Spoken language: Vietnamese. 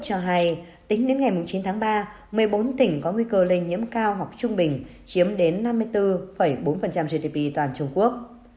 cho hay tính đến ngày chín tháng ba một mươi bốn tỉnh có nguy cơ lây nhiễm cao hoặc trung bình chiếm đến năm mươi bốn bốn gdp toàn trung quốc